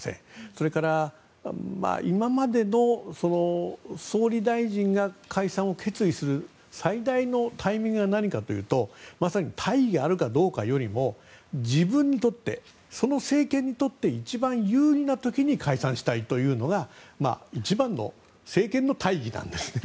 それから、今までの総理大臣が解散を決意する最大のタイミングは何かというとまさに大義があるかどうかより自分にとって、その政権にとって一番有利な時に解散したいというのが一番の政権の大義なんですね。